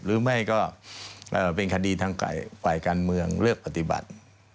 หรือไม่ก็เป็นคดีทางฝ่ายการเมืองเลือกปฏิบัติ